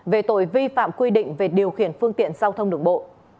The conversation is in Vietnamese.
về tội vi phạm quy định về điều khiển phương tiện giao thông đường bộ